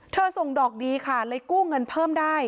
ส่งดอกดีค่ะเลยกู้เงินเพิ่มได้